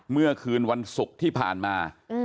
เมื่อคืนวันศุกร์ที่ผ่านมา